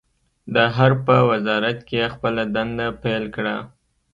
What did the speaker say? د حرب په وزارت کې يې خپله دنده پیل کړه.